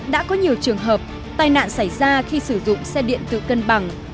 đã có nhiều trường hợp tai nạn xảy ra khi sử dụng xe điện tự cân bằng